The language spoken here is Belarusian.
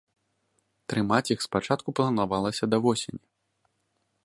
Трымаць іх спачатку планавалася да восені.